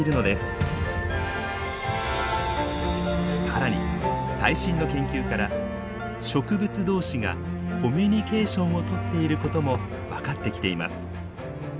更に最新の研究から植物同士がコミュニケーションをとっていることも分かってきています。